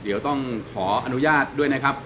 เดี๋ยวต้องขออนุญาตด้วยนะครับ